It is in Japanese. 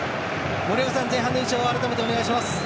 森岡さん、前半の印象を改めてお願いします。